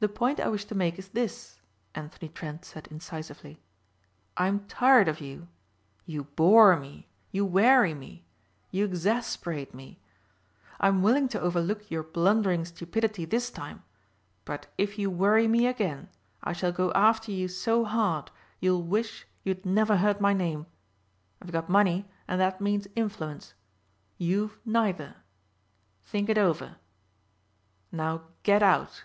"The point I wish to make is this," Anthony Trent said incisively, "I'm tired of you. You bore me. You weary me. You exasperate me. I am willing to overlook your blundering stupidity this time but if you worry me again I shall go after you so hard you'll wish you'd never heard my name. I've got money and that means influence. You've neither. Think it over. Now get out."